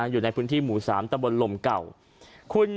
อยู่ในพิษฐีหมู่๓ตะเบิลลมทร์๙